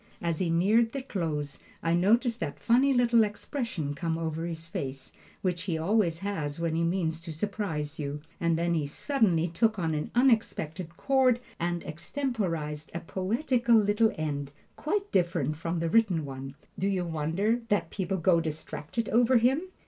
As he neared the close I noticed that funny little expression come over his face, which he always has when he means to surprise you, and he then suddenly took an unexpected chord and extemporized a poetical little end, quite different from the written one. Do you wonder that people go distracted over him?